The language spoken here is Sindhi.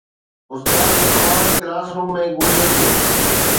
استاد جو آواز ڪلاس روم ۾ گونجي پيو